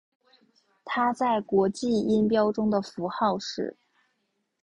它在国际音标中的符号是。